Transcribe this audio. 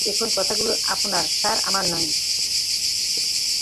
এই কথাগুলি আপনার, স্যার, আমার নই।